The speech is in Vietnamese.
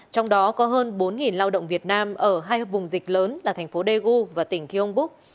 trong đó có hơn bốn lao động việt nam ở hai vùng dịch lớn là thành phố daegu và tỉnh kyong book